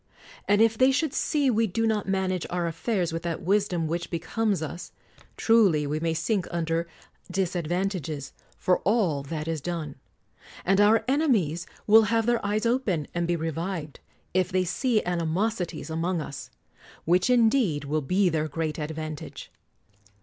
And if they should see we do not manage our affairs with that wisdom which 185 THE WORLD'S FAMOUS ORATIONS becomes us, — truly we may sink under disad vantages, for all that is done. And our ene mies will have their eyes open, and be revived, if they see animosities among us; which indeed will be their great advantage.